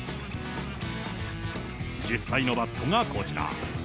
実際のバットがこちら。